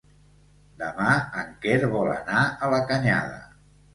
Demà en Quer vol anar a la Canyada.